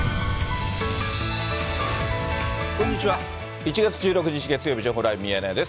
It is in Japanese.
１月１６日月曜日、情報ライブミヤネ屋です。